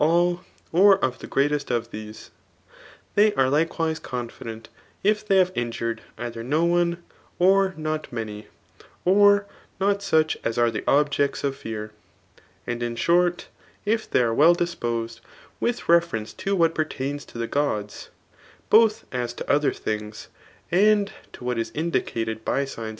all^ or of the greatest of these. They are likewise confident if they have injured either no one, or nM manyt or not such as are the objects of fear* And in shor^ '^'^^ 2ft well diq)Osed wkh reference to what, pertains to the godsy both as to other tbmgs, and to ^AiU hi indicatiad by GBAJf.